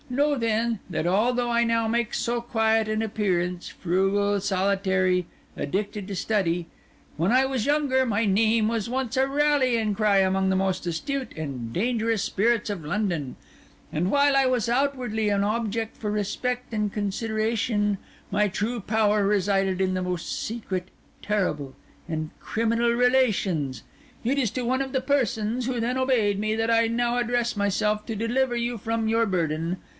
Know, then, that although I now make so quiet an appearance—frugal, solitary, addicted to study—when I was younger, my name was once a rallying cry among the most astute and dangerous spirits of London; and while I was outwardly an object for respect and consideration, my true power resided in the most secret, terrible, and criminal relations. It is to one of the persons who then obeyed me that I now address myself to deliver you from your burden.